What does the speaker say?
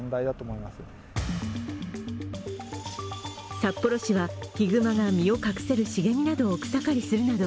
札幌市はひぐまが身を隠せる茂みを草刈りするなど